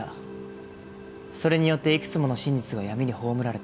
それによっていくつもの真実が闇に葬られた。